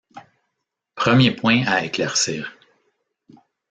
Premier point à éclaircir.